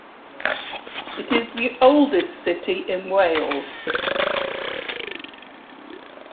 It is the oldest city in Wales.